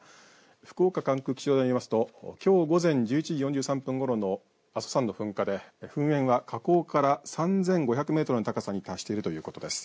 福岡管区気象台によりますときょう午前１１時４３分ごろ阿蘇山の噴火で、噴煙は火口から３５００メートルの高さに達しているということです。